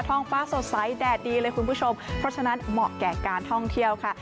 ห้องฟ้าสดใสแดดดีเลยคุณผู้ชมเพราะฉะนั้นเหมาะแก่การท่องเที่ยวค่ะ